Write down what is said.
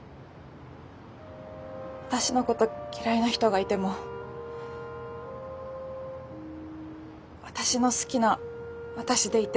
私のこと嫌いな人がいても私の好きな私でいて。